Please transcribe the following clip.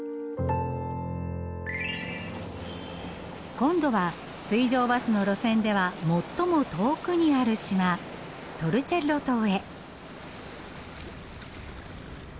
今度は水上バスの路線では最も遠くにある島トルチェッロ島へ。